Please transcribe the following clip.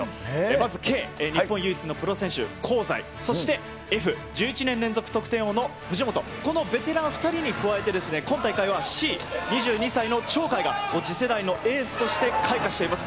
まずＫ、日本唯一のプロ選手、香西、そしてＦ、１１年連続得点王の藤本、このベテラン２人に加えて、今回はＣ、２２歳の鳥海が、次世代のエースとして開花しています。